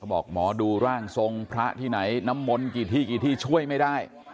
บอกหมอดูร่างทรงพระที่ไหนน้ำมนต์กี่ที่กี่ที่ช่วยไม่ได้